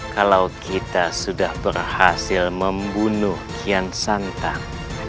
kalau kita sudah berhasil membunuh kian santan